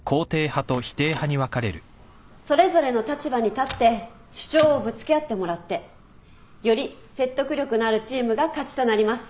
それぞれの立場に立って主張をぶつけ合ってもらってより説得力のあるチームが勝ちとなります。